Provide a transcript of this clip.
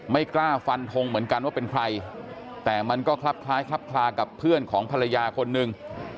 ไม่กล้าฟันทงเหมือนกันว่าเป็นใครแต่มันก็คลับคล้ายคลับคลากับเพื่อนของภรรยาคนหนึ่ง